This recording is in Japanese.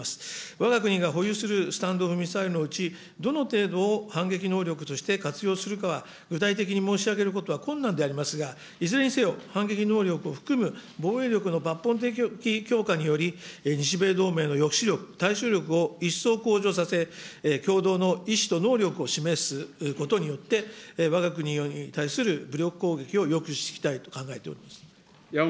わが国が保有するスタンド・オフ・ミサイルのうち、どの程度を反撃能力として活用するかは、具体的に申し上げることは困難でありますが、いずれにせよ、反撃能力を含む防衛力の抜本的強化により、日米同盟の抑止力、対処力を一層向上させ、きょうどうの意思と能力を示すことによって、わが国に対する武力攻撃を抑止していきたいと考えております。